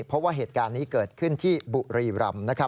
เพราะว่าเหตุการณ์นี้เกิดขึ้นที่บุรีรำนะครับ